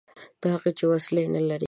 هغوی چې وسلې نه لري.